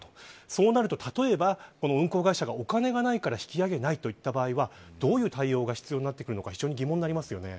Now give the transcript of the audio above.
そうすると例えば、運航会社がお金がないから引き揚げないといった場合どういう対応が必要になるのか